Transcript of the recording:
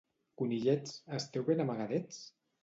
Conillets, esteu ben amagadets?